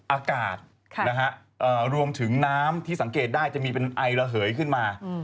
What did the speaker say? อากาศรวมถึงน้ำที่สังเกตได้จะมีเป็นไอระเหยขึ้นมา